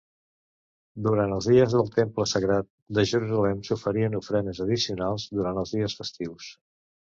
Durant els dies del temple sagrat de Jerusalem, s'oferien ofrenes addicionals durant els dies festius.